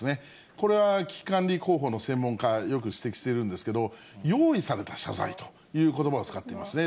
これは危機管理広報の専門家がよく指摘してるんですけれども、用意された謝罪ということばを使っているんですね。